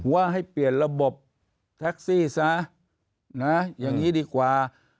ว่าให้เปลี่ยนระบบแท็กซี่ซะนะอย่างนี้ดีกว่า